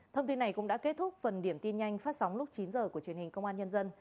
thông tin này cũng đã kết thúc phần điểm tin nhanh phát sóng lúc chín h của truyền hình công an nhân dân